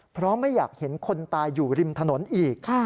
เพราะไม่อยากเห็นคนตายอยู่ริมถนนอีก